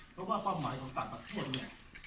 เพราะว่าเป้าหมายของต่างประเทศเนี่ย